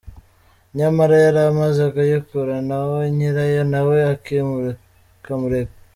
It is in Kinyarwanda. Nyamara yari amaze kuyirukanaho nyirayo nawe akamureka.